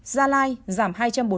gia lai giảm hai trăm bốn mươi năm